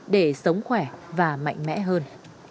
để sống khỏe và mạnh mẽ hơn